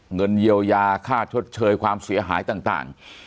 เงินเยียวยาค่าชดเชยความเสียหายต่าง